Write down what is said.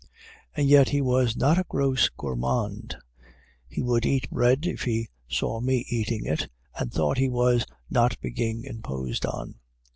And yet he was not a gross gourmand; he would eat bread if he saw me eating it, and thought he was not being imposed on.